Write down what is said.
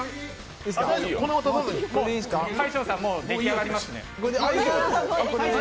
大昇さん、もうできあがりますね。